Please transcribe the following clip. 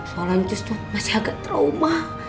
soalnya ncus tuh masih agak trauma